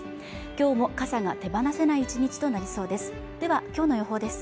今日も傘が手放せない１日となりそうです